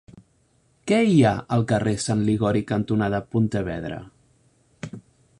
Què hi ha al carrer Sant Liguori cantonada Pontevedra?